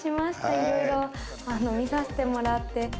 いろいろ見させてもらって。